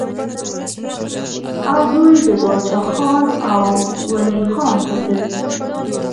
او دوي د باچا خان او ولي خان پۀ ضد